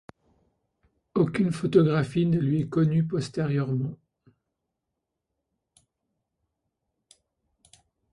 Aucune photographie ne lui est connue postérieurement.